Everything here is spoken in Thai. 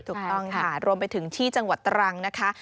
ถูกต้องค่ะรวมไปถึงที่จังหวัดตรังนะคะ